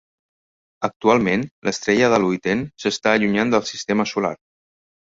Actualment, l'estrella de Luyten s'està allunyant del Sistema Solar.